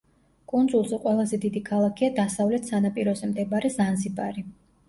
კუნძულზე ყველაზე დიდი ქალაქია დასავლეთ სანაპიროზე მდებარე ზანზიბარი.